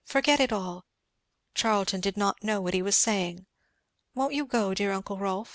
Forget it all! Charlton did not know what he was saying won't you go, dear uncle Rolf?